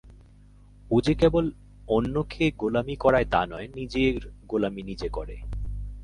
ও যে কেবল অন্যকে গোলামি করায় তা নয়, নিজের গোলামি নিজে করে।